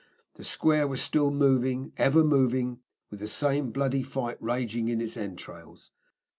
The square was still moving, ever moving, with the same bloody fight raging in its entrails.